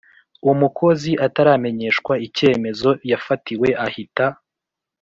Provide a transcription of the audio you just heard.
Umukozi ataramenyeshwa icyemezo yafatiwe ahita